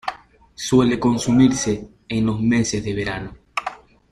Suele consumirse en los meses de verano.